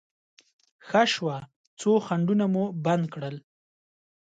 ښه شوه، څو خنډونه مو بند کړل.